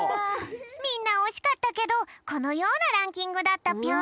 みんなおしかったけどこのようなランキングだったぴょん。